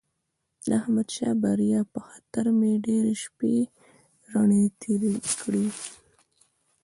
د احمد د بریا په خطر مې ډېرې شپې رڼې تېرې کړې.